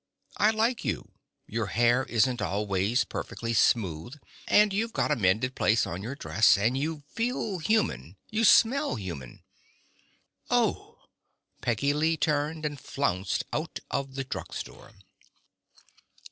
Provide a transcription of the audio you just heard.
I like you; your hair isn't always perfectly smooth, and you've got a mended place on your dress, and you feel human, you smell human " "Oh!" Pretty Lee turned and flounced out of the drug store.